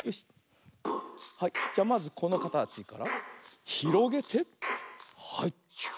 はいじゃまずこのかたちからひろげてはい。